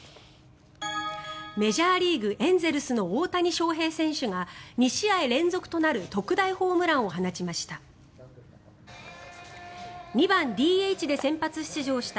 メジャーリーグエンゼルスの大谷翔平選手が２試合連続となる特大ホームランを放ちました。